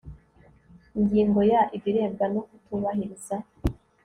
Ingingo ya Ibirebwa no kutubahiriza